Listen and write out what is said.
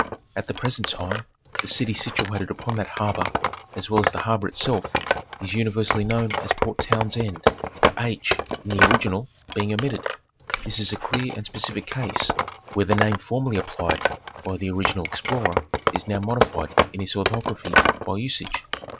At the present time the city situated upon that harbor, as well as the harbor itself, is uni versally known as Port Townsend, the "/" in the original being omitted. This is a clear and specific case, where the name form ally applied by the original explorer is now modified in its orthography by usage.